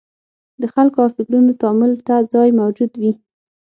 د خلکو او فکرونو تامل ته ځای موجود وي.